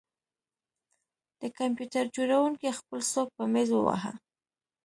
د کمپیوټر جوړونکي خپل سوک په میز وواهه